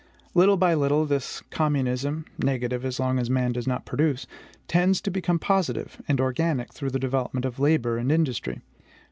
Little by little this communism negative as long as man does not produce tends to become positive and organic through the development of labor and industry.